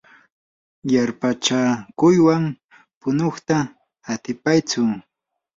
yarpachakuywan punuyta atipatsu.